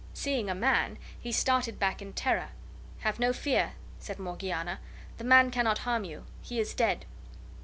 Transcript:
Seeing a man, he started back in terror. "Have no fear," said Morgiana; "the man cannot harm you: he is dead."